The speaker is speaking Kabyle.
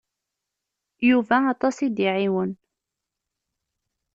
Yuba aṭas i d-iɛiwen.